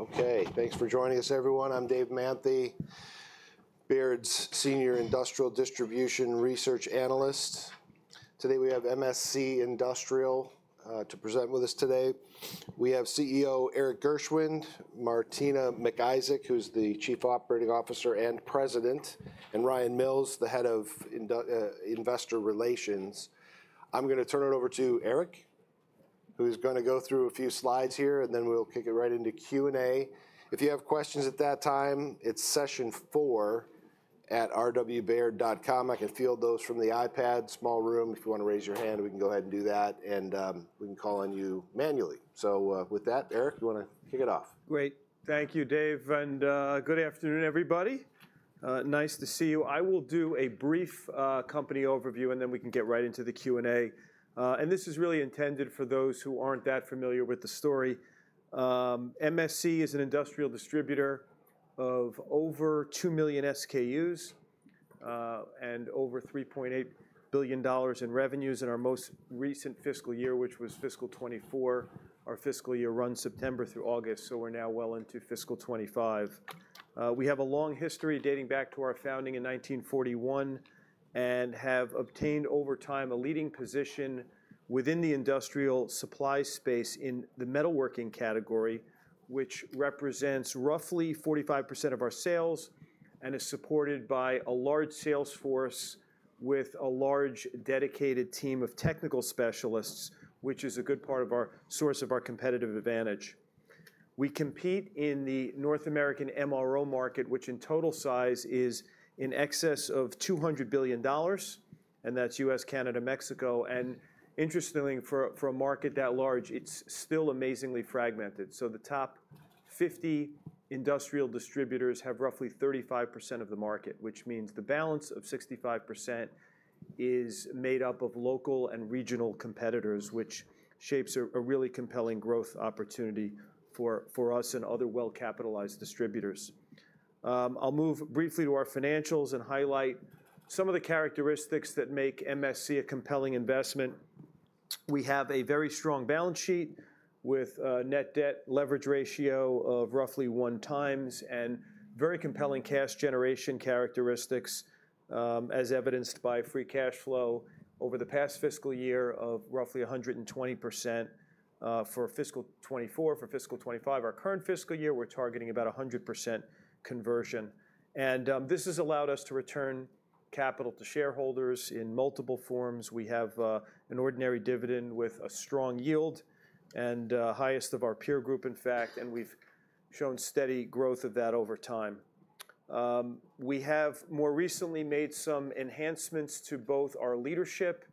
Okay, thanks for joining us, everyone. I'm David Manthey, Baird's Senior Industrial Distribution Research Analyst. Today we have MSC Industrial to present with us today. We have CEO Erik Gershwind, Martina McIsaac, who's the Chief Operating Officer and President, and Ryan Mills, the Head of Investor Relations. I'm going to turn it over to Erik, who's going to go through a few slides here, and then we'll kick it right into Q&A. If you have questions at that time, it's session4@rwbaird.com. I can field those from the iPad small room. If you want to raise your hand, we can go ahead and do that, and we can call on you manually. So with that, Erik, you want to kick it off? Great. Thank you, David, and good afternoon, everybody. Nice to see you. I will do a brief company overview, and then we can get right into the Q&A. And this is really intended for those who aren't that familiar with the story. MSC is an industrial distributor of over 2 million SKUs and over $3.8 billion in revenues in our most recent fiscal year, which was fiscal 2024. Our fiscal year runs September through August, so we're now well into fiscal 2025. We have a long history dating back to our founding in 1941 and have obtained over time a leading position within the industrial supply space in the metalworking category, which represents roughly 45% of our sales and is supported by a large sales force with a large dedicated team of technical specialists, which is a good part of our source of our competitive advantage. We compete in the North American MRO market, which in total size is in excess of $200 billion, and that's U.S., Canada, Mexico, and interestingly, for a market that large, it's still amazingly fragmented, so the top 50 industrial distributors have roughly 35% of the market, which means the balance of 65% is made up of local and regional competitors, which shapes a really compelling growth opportunity for us and other well-capitalized distributors. I'll move briefly to our financials and highlight some of the characteristics that make MSC a compelling investment. We have a very strong balance sheet with a net debt leverage ratio of roughly one times and very compelling cash generation characteristics, as evidenced by free cash flow over the past fiscal year of roughly 120% for fiscal 24. For fiscal 25, our current fiscal year, we're targeting about 100% conversion. And this has allowed us to return capital to shareholders in multiple forms. We have an ordinary dividend with a strong yield and the highest of our peer group, in fact, and we've shown steady growth of that over time. We have more recently made some enhancements to both our leadership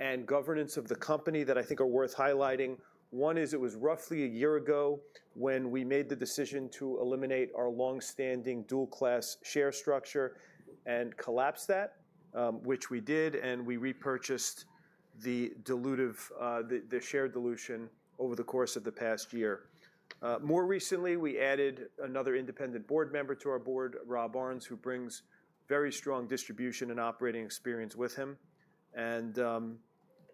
and governance of the company that I think are worth highlighting. One is it was roughly a year ago when we made the decision to eliminate our longstanding dual-class share structure and collapse that, which we did, and we repurchased the share dilution over the course of the past year. More recently, we added another independent board member to our board, Rob Barnes, who brings very strong distribution and operating experience with him.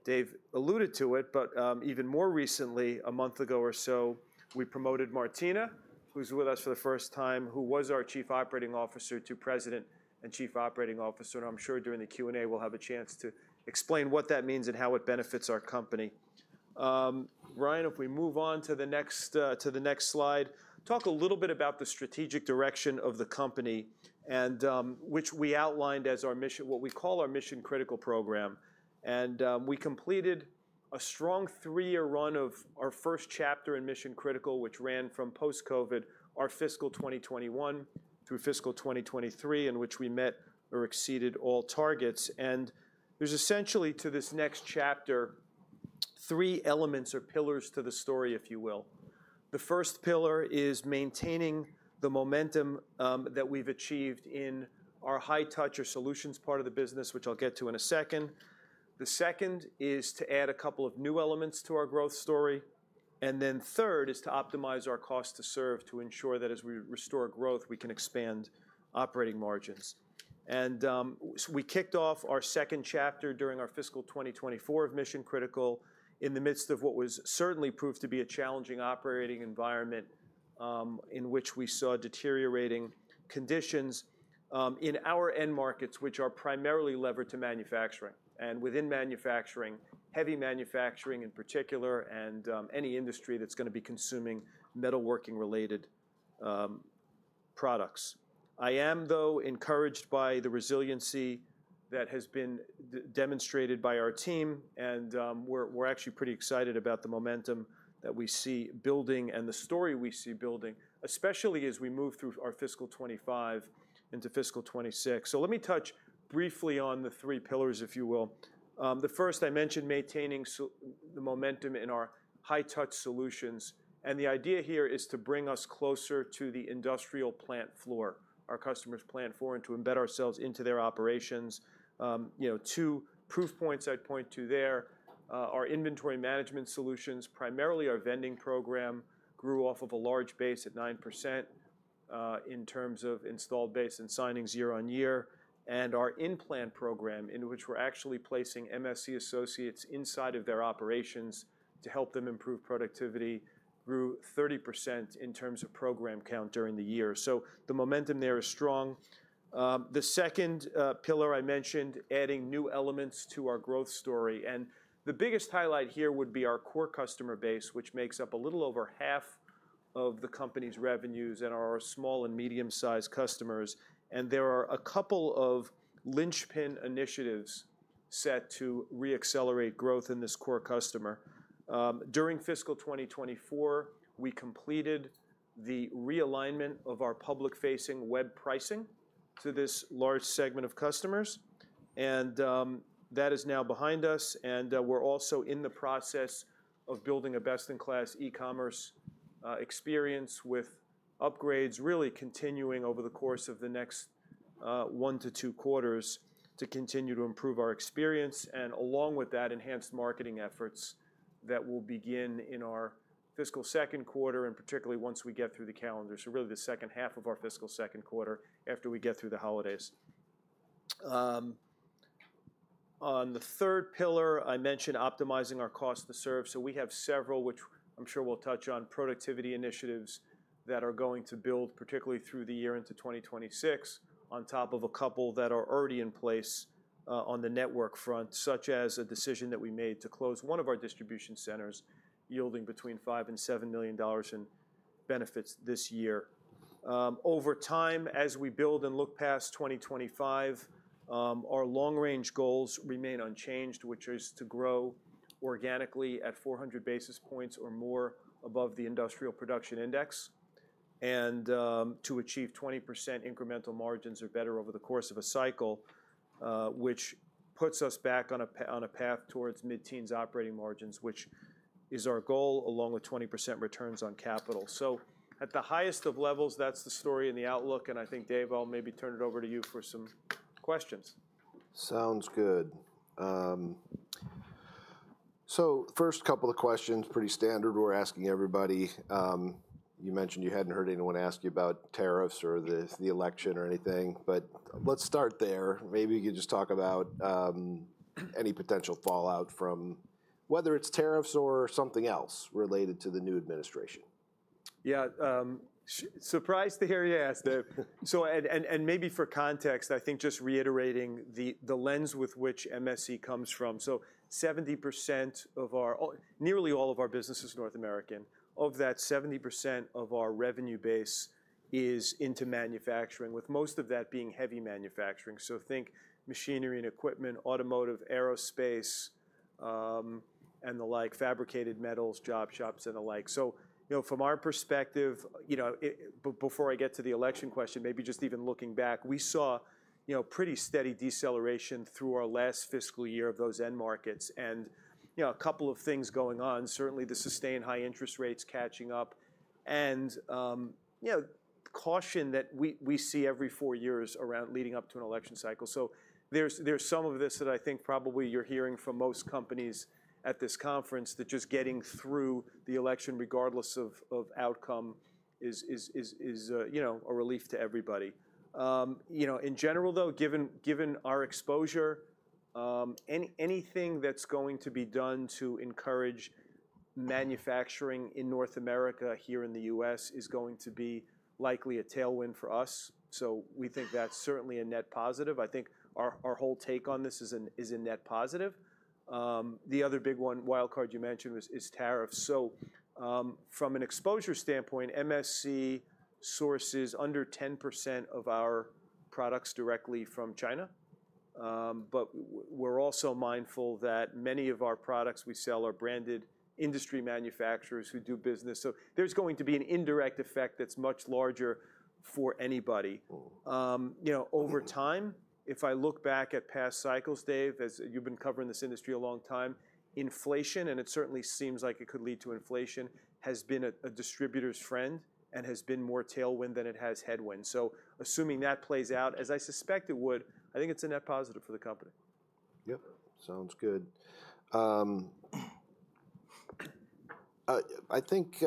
David alluded to it, but even more recently, a month ago or so, we promoted Martina, who's with us for the first time, who was our Chief Operating Officer to President and Chief Operating Officer. I'm sure during the Q&A we'll have a chance to explain what that means and how it benefits our company. Ryan, if we move on to the next slide, talk a little bit about the strategic direction of the company, which we outlined as what we call our Mission Critical program. We completed a strong three-year run of our first chapter in Mission Critical, which ran from post-COVID, our fiscal 2021 through fiscal 2023, in which we met or exceeded all targets. There's essentially to this next chapter three elements or pillars to the story, if you will. The first pillar is maintaining the momentum that we've achieved in our high-touch, our solutions part of the business, which I'll get to in a second. The second is to add a couple of new elements to our growth story. And then third is to optimize our cost to serve to ensure that as we restore growth, we can expand operating margins. And we kicked off our second chapter during our fiscal 2024 of Mission Critical in the midst of what was certainly proved to be a challenging operating environment in which we saw deteriorating conditions in our end markets, which are primarily levered to manufacturing and within manufacturing, heavy manufacturing in particular, and any industry that's going to be consuming metalworking-related products. I am, though, encouraged by the resiliency that has been demonstrated by our team, and we're actually pretty excited about the momentum that we see building and the story we see building, especially as we move through our fiscal 2025 into fiscal 2026. So let me touch briefly on the three pillars, if you will. The first, I mentioned maintaining the momentum in our high-touch solutions. And the idea here is to bring us closer to the industrial plant floor, our customers' plant floor, and to embed ourselves into their operations. Two proof points I'd point to there: our inventory management solutions, primarily our vending program, grew off of a large base at 9% in terms of installed base and signings year on year. And our In-Plant program, in which we're actually placing MSC associates inside of their operations to help them improve productivity, grew 30% in terms of program count during the year. So the momentum there is strong. The second pillar I mentioned, adding new elements to our growth story. And the biggest highlight here would be our core customer base, which makes up a little over half of the company's revenues and are our small and medium-sized customers. And there are a couple of linchpin initiatives set to re-accelerate growth in this core customer. During fiscal 2024, we completed the realignment of our public-facing web pricing to this large segment of customers. And that is now behind us. And we're also in the process of building a best-in-class e-commerce experience with upgrades really continuing over the course of the next one to two quarters to continue to improve our experience and, along with that, enhanced marketing efforts that will begin in our fiscal second quarter and particularly once we get through the calendar, so really the second half of our fiscal second quarter after we get through the holidays. On the third pillar, I mentioned optimizing our cost to serve. So we have several, which I'm sure we'll touch on, productivity initiatives that are going to build particularly through the year into 2026 on top of a couple that are already in place on the network front, such as a decision that we made to close one of our distribution centers, yielding between $5 and $7 million in benefits this year. Over time, as we build and look past 2025, our long-range goals remain unchanged, which is to grow organically at 400 basis points or more above the industrial production index and to achieve 20% incremental margins or better over the course of a cycle, which puts us back on a path towards mid-teens operating margins, which is our goal, along with 20% returns on capital. So at the highest of levels, that's the story and the outlook. And I think, David, I'll maybe turn it over to you for some questions. Sounds good. So first couple of questions, pretty standard we're asking everybody. You mentioned you hadn't heard anyone ask you about tariffs or the election or anything, but let's start there. Maybe you could just talk about any potential fallout from whether it's tariffs or something else related to the new administration. Yeah, surprised to hear you ask that, and maybe for context, I think just reiterating the lens with which MSC comes from, so 70% of our nearly all of our business is North American. Of that, 70% of our revenue base is into manufacturing, with most of that being heavy manufacturing, so think machinery and equipment, automotive, aerospace, and the like, fabricated metals, job shops, and the like, so from our perspective, before I get to the election question, maybe just even looking back, we saw pretty steady deceleration through our last fiscal year of those end markets and a couple of things going on, certainly the sustained high interest rates catching up, and caution that we see every four years around leading up to an election cycle. So there's some of this that I think probably you're hearing from most companies at this conference that just getting through the election, regardless of outcome, is a relief to everybody. In general, though, given our exposure, anything that's going to be done to encourage manufacturing in North America here in the U.S. is going to be likely a tailwind for us. So we think that's certainly a net positive. I think our whole take on this is a net positive. The other big one, wildcard you mentioned, is tariffs. So from an exposure standpoint, MSC sources under 10% of our products directly from China. But we're also mindful that many of our products we sell are branded industry manufacturers who do business. So there's going to be an indirect effect that's much larger for anybody. Over time, if I look back at past cycles, David, as you've been covering this industry a long time, inflation, and it certainly seems like it could lead to inflation, has been a distributor's friend and has been more tailwind than it has headwind. So assuming that plays out, as I suspect it would, I think it's a net positive for the company. Yep, sounds good. I think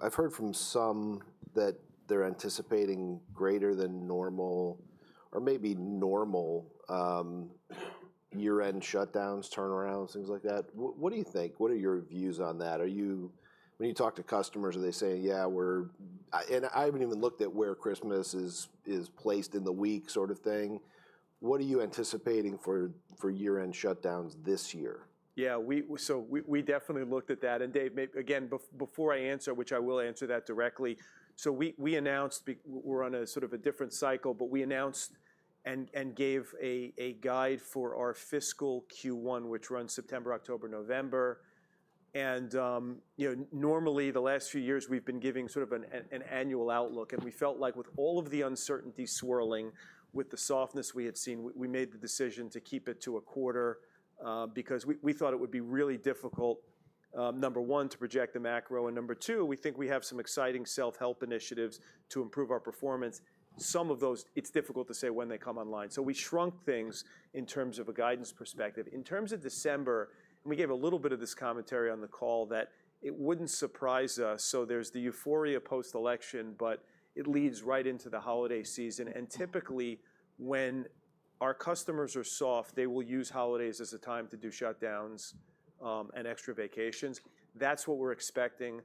I've heard from some that they're anticipating greater than normal or maybe normal year-end shutdowns, turnarounds, things like that. What do you think? What are your views on that? When you talk to customers, are they saying, "Yeah, we're..." And I haven't even looked at where Christmas is placed in the week sort of thing. What are you anticipating for year-end shutdowns this year? Yeah, so we definitely looked at that, and David, again, before I answer, which I will answer that directly, so we announced we're on a sort of a different cycle, but we announced and gave guidance for our fiscal Q1, which runs September, October, November, and normally, the last few years, we've been giving sort of an annual outlook. And we felt like with all of the uncertainty swirling, with the softness we had seen, we made the decision to keep it to a quarter because we thought it would be really difficult, number one, to project the macro, and number two, we think we have some exciting self-help initiatives to improve our performance. Some of those, it's difficult to say when they come online, so we shrunk things in terms of a guidance perspective. In terms of December, and we gave a little bit of this commentary on the call that it wouldn't surprise us. So there's the euphoria post-election, but it leads right into the holiday season. And typically, when our customers are soft, they will use holidays as a time to do shutdowns and extra vacations. That's what we're expecting.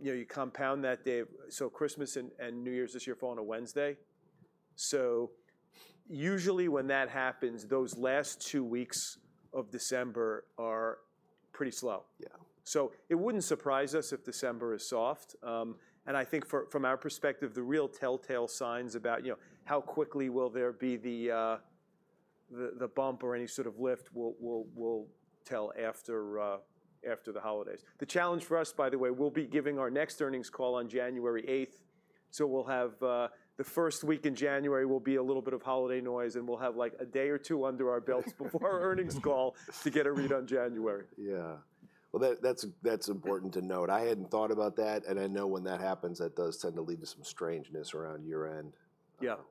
You compound that, David. So Christmas and New Year's this year fall on a Wednesday. So usually when that happens, those last two weeks of December are pretty slow. Yeah, so it wouldn't surprise us if December is soft. And I think from our perspective, the real telltale signs about how quickly will there be the bump or any sort of lift will tell after the holidays. The challenge for us, by the way, we'll be giving our next earnings call on January 8th. So, we'll have the first week in January will be a little bit of holiday noise, and we'll have like a day or two under our belts before our earnings call to get a read on January. Yeah, well, that's important to note. I hadn't thought about that. And I know when that happens, that does tend to lead to some strangeness around year-end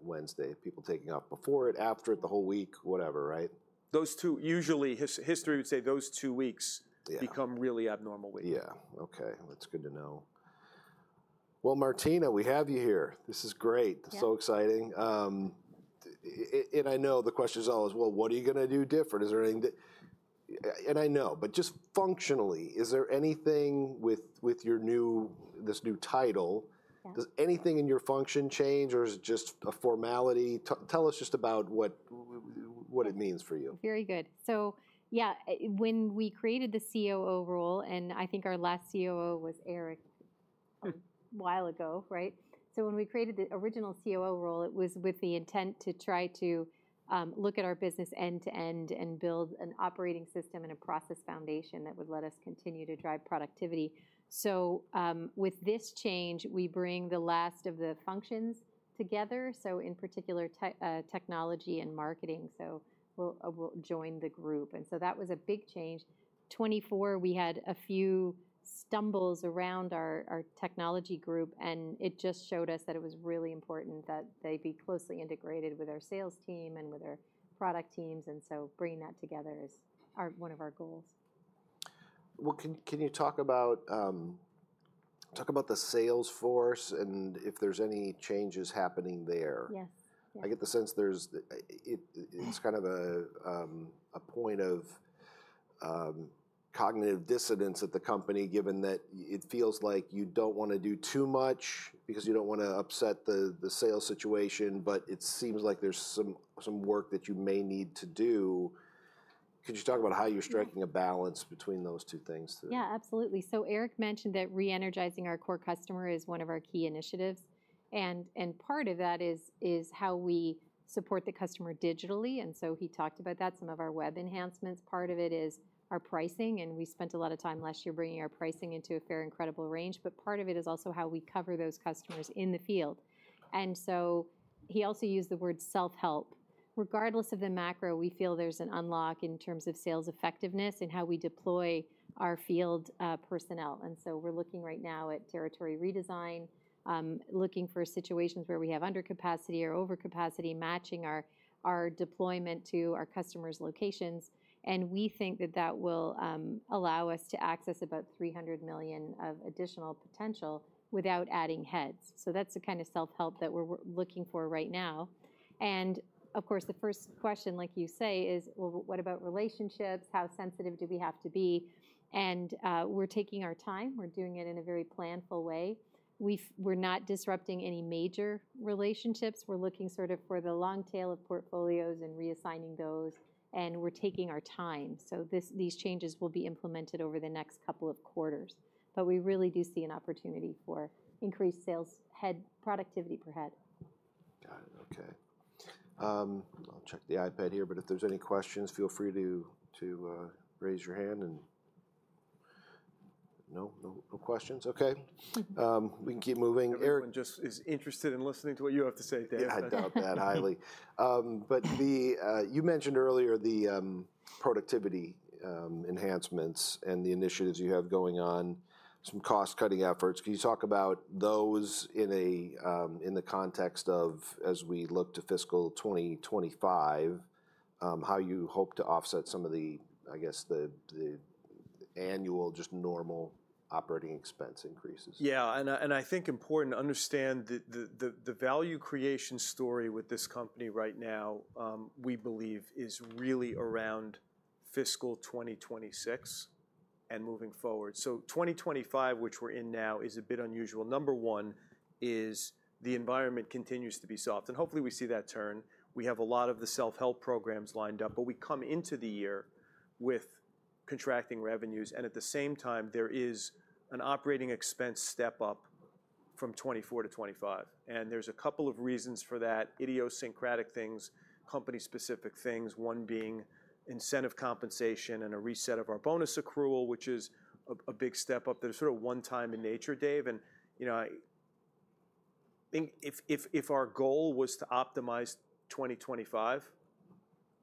Wednesday, people taking off before it, after it, the whole week, whatever, right? Those two, usually history would say those two weeks become really abnormal weeks. Yeah, okay, that's good to know. Well, Martina, we have you here. This is great. It's so exciting. I know the question is always, well, what are you going to do different? Is there anything that... I know, but just functionally, is there anything with this new title? Does anything in your function change or is it just a formality? Tell us just about what it means for you. Very good. So yeah, when we created the COO role, and I think our last COO was Erik a while ago, right? So when we created the original COO role, it was with the intent to try to look at our business end-to-end and build an operating system and a process foundation that would let us continue to drive productivity. So with this change, we bring the last of the functions together. So in particular, technology and marketing. So we'll join the group. And so that was a big change. 2024, we had a few stumbles around our technology group, and it just showed us that it was really important that they be closely integrated with our sales team and with our product teams. And so bringing that together is one of our goals. Can you talk about the sales force and if there's any changes happening there? Yes. I get the sense there's kind of a point of cognitive dissonance at the company, given that it feels like you don't want to do too much because you don't want to upset the sales situation, but it seems like there's some work that you may need to do. Could you talk about how you're striking a balance between those two things? Yeah, absolutely, so Eric mentioned that re-energizing our core customer is one of our key initiatives, and part of that is how we support the customer digitally, and so he talked about that, some of our web enhancements. Part of it is our pricing, and we spent a lot of time last year bringing our pricing into a fair and credible range, but part of it is also how we cover those customers in the field, and so he also used the word self-help. Regardless of the macro, we feel there's an unlock in terms of sales effectiveness and how we deploy our field personnel, and so we're looking right now at territory redesign, looking for situations where we have undercapacity or overcapacity, matching our deployment to our customers' locations, and we think that that will allow us to access about $300 million of additional potential without adding heads. So that's the kind of self-help that we're looking for right now. And of course, the first question, like you say, is, well, what about relationships? How sensitive do we have to be? And we're taking our time. We're doing it in a very planful way. We're not disrupting any major relationships. We're looking sort of for the long tail of portfolios and reassigning those. And we're taking our time. So these changes will be implemented over the next couple of quarters. But we really do see an opportunity for increased sales head productivity per head. Got it, okay. I'll check the iPad here, but if there's any questions, feel free to raise your hand, and no, no questions. Okay, we can keep moving. Everyone just is interested in listening to what you have to say, David. I doubt that highly. But you mentioned earlier the productivity enhancements and the initiatives you have going on, some cost-cutting efforts. Can you talk about those in the context of, as we look to fiscal 2025, how you hope to offset some of the, I guess, the annual, just normal operating expense increases? Yeah, and I think important to understand the value creation story with this company right now, we believe, is really around fiscal 2026 and moving forward. So 2025, which we're in now, is a bit unusual. Number one is the environment continues to be soft. And hopefully, we see that turn. We have a lot of the self-help programs lined up, but we come into the year with contracting revenues. And at the same time, there is an operating expense step up from 2024 to 2025. And there's a couple of reasons for that, idiosyncratic things, company-specific things, one being incentive compensation and a reset of our bonus accrual, which is a big step up that is sort of one-time in nature, David. And if our goal was to optimize 2025,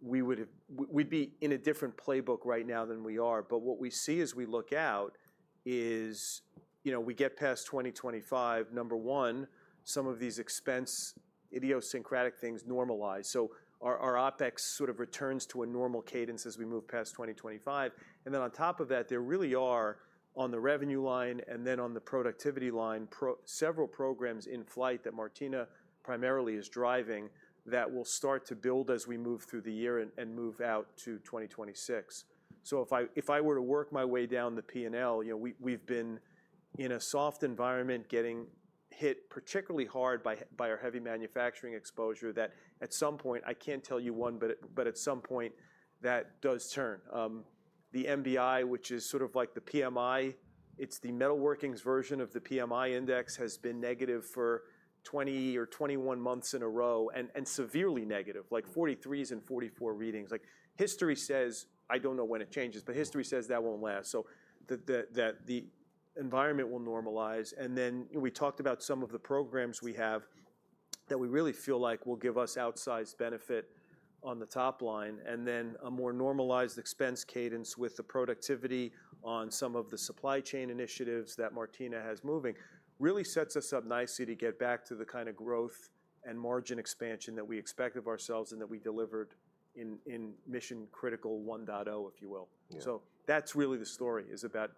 we'd be in a different playbook right now than we are. But what we see as we look out is we get past 2025, number one, some of these expense idiosyncratic things normalize. So our OpEx sort of returns to a normal cadence as we move past 2025. And then on top of that, there really are on the revenue line and then on the productivity line, several programs in flight that Martina primarily is driving that will start to build as we move through the year and move out to 2026. So if I were to work my way down the P&L, we've been in a soft environment getting hit particularly hard by our heavy manufacturing exposure that at some point, I can't tell you one, but at some point that does turn. The MBI, which is sort of like the PMI, it's the metalworking's version of the PMI index, has been negative for 20 or 21 months in a row and severely negative, like 43s and 44 readings. History says, I don't know when it changes, but history says that won't last, so the environment will normalize, and then we talked about some of the programs we have that we really feel like will give us outsized benefit on the top line, and then a more normalized expense cadence with the productivity on some of the supply chain initiatives that Martina has moving really sets us up nicely to get back to the kind of growth and margin expansion that we expected of ourselves and that we delivered in Mission Critical 1.0, if you will, so that's really the story is about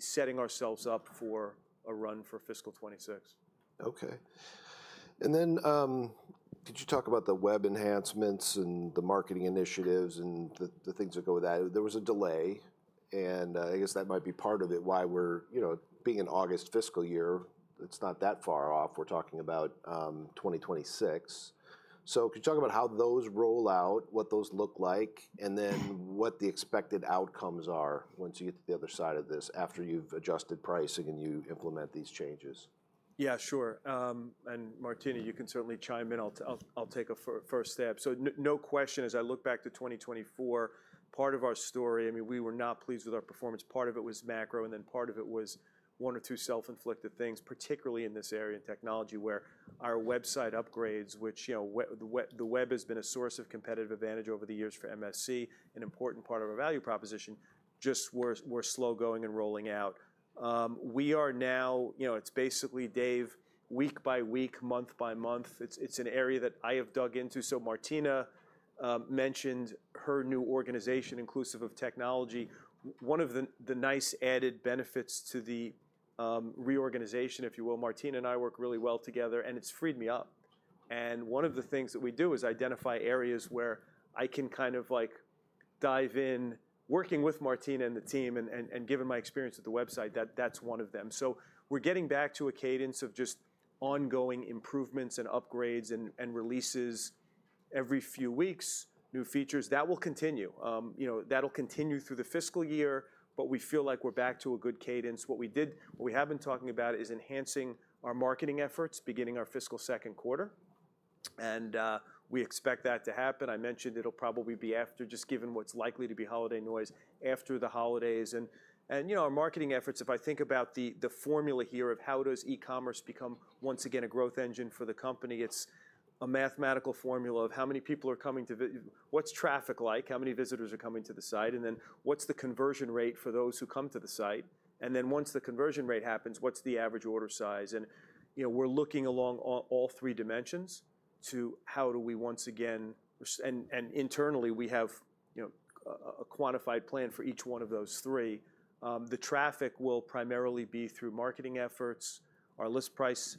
setting ourselves up for a run for fiscal 2026. Okay. And then could you talk about the web enhancements and the marketing initiatives and the things that go with that? There was a delay. And I guess that might be part of it why we're being in August fiscal year. It's not that far off. We're talking about 2026. So could you talk about how those roll out, what those look like, and then what the expected outcomes are once you get to the other side of this after you've adjusted pricing and you implement these changes? Yeah, sure. And Martina, you can certainly chime in. I'll take a first step. So no question, as I look back to 2024, part of our story, I mean, we were not pleased with our performance. Part of it was macro, and then part of it was one or two self-inflicted things, particularly in this area in technology where our website upgrades, which the web has been a source of competitive advantage over the years for MSC, an important part of our value proposition, just were slow going and rolling out. We are now. It's basically, David, week by week, month by month. It's an area that I have dug into. So Martina mentioned her new organization, Inclusive of Technology. One of the nice added benefits to the reorganization, if you will, Martina and I work really well together, and it's freed me up. And one of the things that we do is identify areas where I can kind of like dive in, working with Martina and the team and given my experience with the website, that's one of them. So we're getting back to a cadence of just ongoing improvements and upgrades and releases every few weeks, new features. That will continue. That'll continue through the fiscal year, but we feel like we're back to a good cadence. What we haven't been talking about is enhancing our marketing efforts beginning our fiscal second quarter. And we expect that to happen. I mentioned it'll probably be after, just given what's likely to be holiday noise after the holidays. Our marketing efforts, if I think about the formula here of how does e-commerce become once again a growth engine for the company, it's a mathematical formula of how many people are coming to, what's traffic like, how many visitors are coming to the site, and then what's the conversion rate for those who come to the site. Then once the conversion rate happens, what's the average order size. We're looking along all three dimensions to how do we once again, and internally, we have a quantified plan for each one of those three. The traffic will primarily be through marketing efforts. Our list price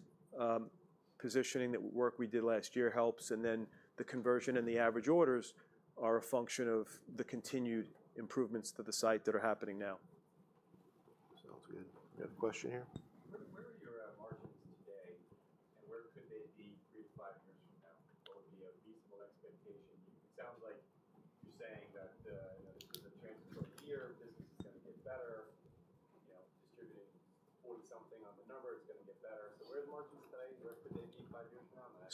positioning that work we did last year helps. Then the conversion and the average orders are a function of the continued improvements to the site that are happening now. Sounds good. We have a question here.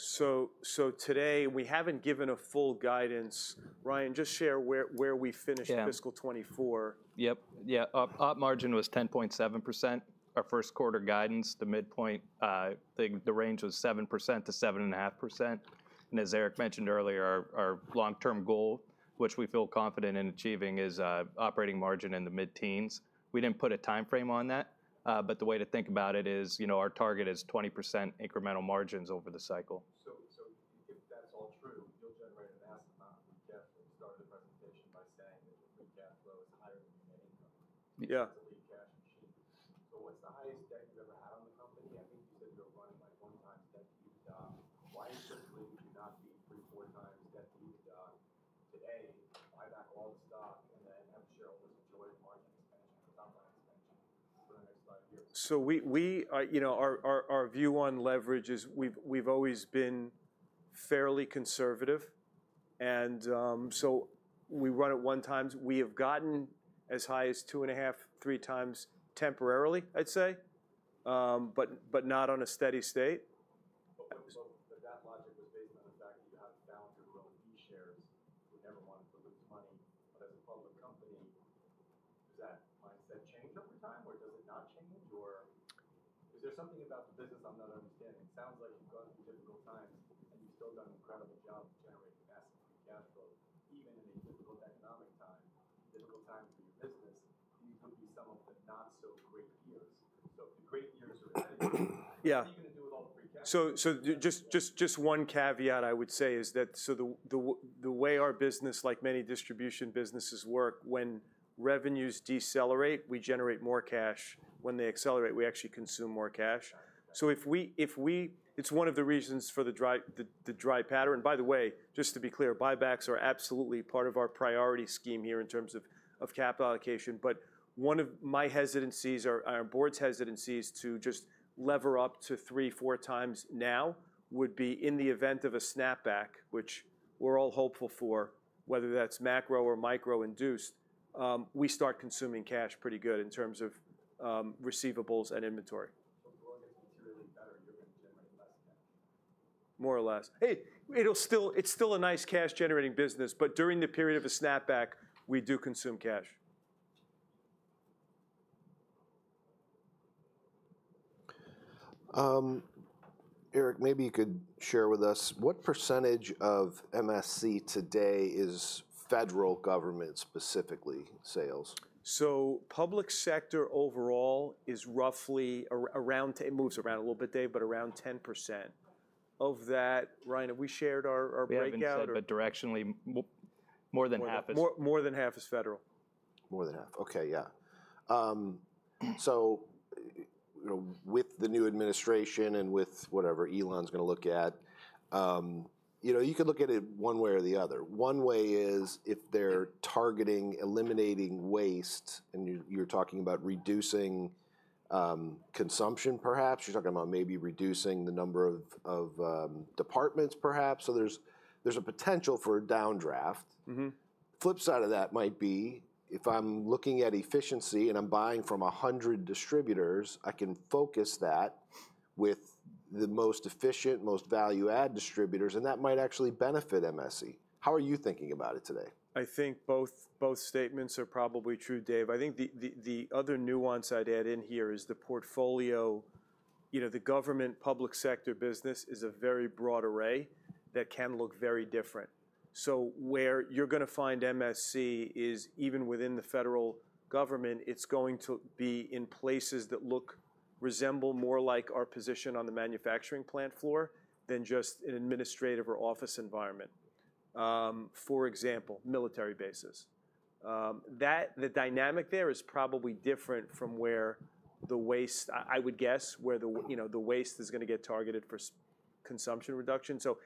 Where are your margins today? And where could they be three to five years from now? What would be a reasonable expectation? It sounds like you're saying that this is a transitory year. Business is going to get better. Distributing 40-something on the number, it's going to get better. So where are the margins today? Where could they be five years from now? So today, we haven't given a full guidance. Ryan, just share where we finished fiscal 2024. Yep, yeah. Operating margin was 10.7%. Our first quarter guidance, the midpoint, the range was 7%-7.5%. And as Erik mentioned earlier, our long-term goal, which we feel confident in achieving, is operating margin in the mid-teens. We didn't put a timeframe on that. But the way to think about it is our target is 20% incremental margins over the cycle. So if that's all true, you'll generate a massive amount of that logic was based on the fact that you have found your royalty shares. You never wanted to lose money. But as a public company, does that mindset change over time or does it not change? Or is there something about the business I'm not understanding? It sounds like you've gone through difficult times and you've still done an incredible job of generating massive free cash flow, even in a difficult economic time, a difficult time for your business. These would be some of the not-so-great years. So if the great years are ahead of you, what are you going to do with all the free cash? So just one caveat I would say is that so the way our business, like many distribution businesses work, when revenues decelerate, we generate more cash. When they accelerate, we actually consume more cash. So if we, it's one of the reasons for the dry powder. And by the way, just to be clear, buybacks are absolutely part of our priority scheme here in terms of capital allocation. But one of my hesitancies or our board's hesitancies to just lever up to three, four times now would be in the event of a snapback, which we're all hopeful for, whether that's macro or micro-induced, we start consuming cash pretty good in terms of receivables and inventory. So if the markets deteriorate better, you're going to generate less cash? More or less. Hey, it's still a nice cash-generating business. But during the period of a snapback, we do consume cash. Erik, maybe you could share with us what percentage of MSC today is federal government, specifically sales? Public sector overall is roughly around, it moves around a little bit, David, but around 10% of that. Ryan, have we shared our breakout? I think we said, but directionally, more than half is. More than half is federal. More than half. Okay, yeah. So with the new administration and with whatever Elon's going to look at, you could look at it one way or the other. One way is if they're targeting eliminating waste and you're talking about reducing consumption, perhaps. You're talking about maybe reducing the number of departments, perhaps. So there's a potential for a downdraft. Flip side of that might be if I'm looking at efficiency and I'm buying from 100 distributors, I can focus that with the most efficient, most value-add distributors, and that might actually benefit MSC. How are you thinking about it today? I think both statements are probably true, David. I think the other nuance I'd add in here is the portfolio, the government public sector business is a very broad array that can look very different. So where you're going to find MSC is even within the federal government, it's going to be in places that look, resemble more like our position on the manufacturing plant floor than just an administrative or office environment. For example, military bases. The dynamic there is probably different from where the waste, I would guess, where the waste is going to get targeted for consumption reduction. So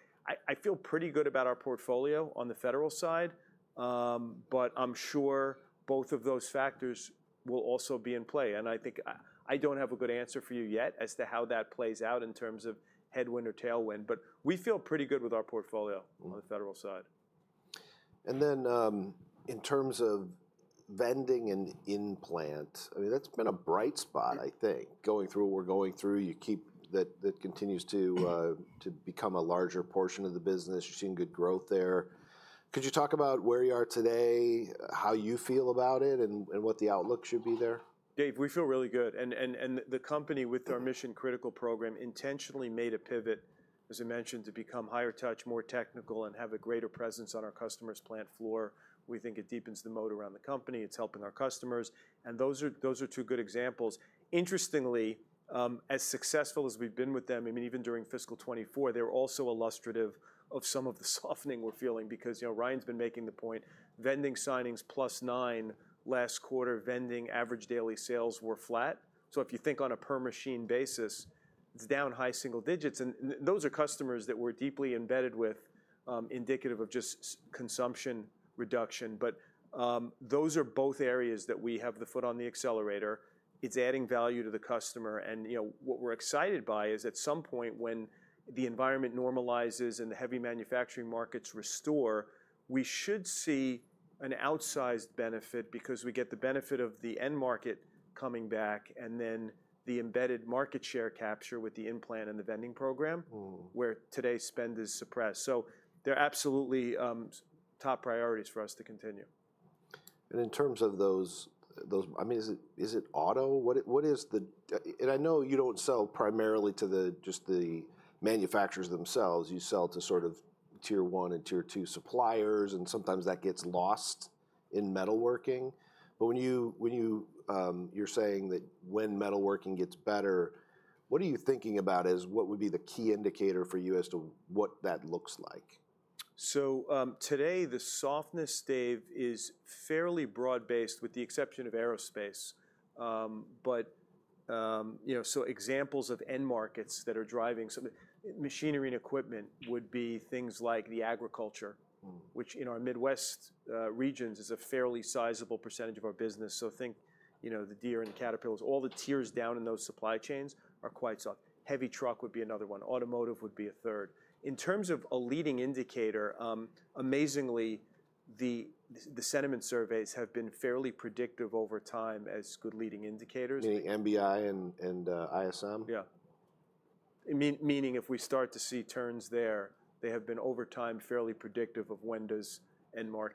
I feel pretty good about our portfolio on the federal side, but I'm sure both of those factors will also be in play. And I think I don't have a good answer for you yet as to how that plays out in terms of headwind or tailwind, but we feel pretty good with our portfolio on the federal side. In terms of Vending and In-Plant, I mean, that's been a bright spot, I think, going through what we're going through. You keep that continues to become a larger portion of the business. You've seen good growth there. Could you talk about where you are today, how you feel about it, and what the outlook should be there? David, we feel really good. And the company with our Mission Critical program intentionally made a pivot, as I mentioned, to become higher touch, more technical, and have a greater presence on our customers' plant floor. We think it deepens the moat around the company. It's helping our customers. And those are two good examples. Interestingly, as successful as we've been with them, I mean, even during fiscal 2024, they were also illustrative of some of the softening we're feeling because Ryan's been making the point, Vending signings plus nine last quarter, Vending average daily sales were flat. So if you think on a per machine basis, it's down high single digits. And those are customers that we're deeply embedded with, indicative of just consumption reduction. But those are both areas that we have the foot on the accelerator. It's adding value to the customer. What we're excited by is at some point when the environment normalizes and the heavy manufacturing markets restore, we should see an outsized benefit because we get the benefit of the end market coming back and then the embedded market share capture with the In-Plant and the Vending program where today's spend is suppressed, so they're absolutely top priorities for us to continue. And in terms of those, I mean, is it auto? What is the, and I know you don't sell primarily to just the manufacturers themselves. You sell to sort of tier one and tier two suppliers, and sometimes that gets lost in metalworking. But when you're saying that when metalworking gets better, what are you thinking about as what would be the key indicator for you as to what that looks like? Today, the softness, David, is fairly broad-based with the exception of aerospace. Examples of end markets that are driving machinery and equipment would be things like agriculture, which in our Midwest regions is a fairly sizable percentage of our business. Think the Deere and the Caterpillars. All the tiers down in those supply chains are quite soft. Heavy truck would be another one. Automotive would be a third. In terms of a leading indicator, amazingly, the sentiment surveys have been fairly predictive over time as good leading indicators. Meaning MBI and ISM? Yeah. Meaning if we start to see turns there, they have been over time fairly predictive of when does end market.